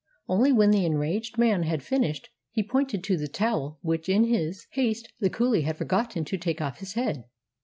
Only, when the enraged man had finished, he pointed to the towel which in his haste the coolie had forgotten to take off his head.